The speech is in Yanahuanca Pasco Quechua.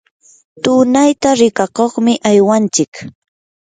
tunayta rikakuqmi aywanchik.